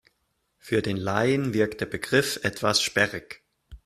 Für den Laien wirkt der Begriff etwas sperrig.